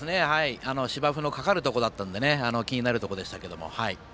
芝生のかかるところだったので気になるところでしたけども。